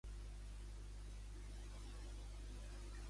Què passa després de la Puska Biltze?